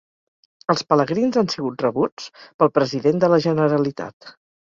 Els pelegrins han sigut rebuts pel president de la Generalitat.